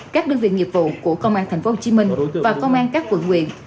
các đơn viên nhiệm vụ của công an tp hcm và công an các quận quyền